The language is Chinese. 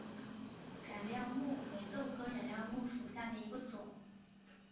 染料木为豆科染料木属下的一个种。